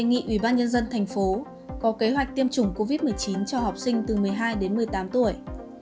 nghị ủy ban nhân dân thành phố có kế hoạch tiêm chủng covid một mươi chín cho học sinh từ một mươi hai đến một mươi tám tuổi